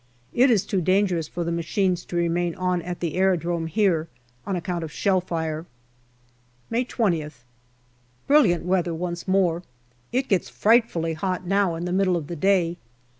It is too dangerous for the machines to remain on at the aerodrome here, on account of shell fire. May 20th. Brilliant weather once more. It gets frightfully hot now in the middle of the day.